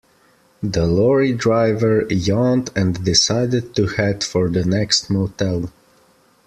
The lorry driver yawned and decided to head for the next motel.